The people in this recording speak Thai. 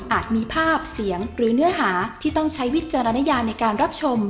มีภาพเสียงหรือเนื้อหาที่ต้องใช้วิจารณญาในการรับชม